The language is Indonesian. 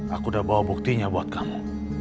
aku udah bawa buktinya buat kamu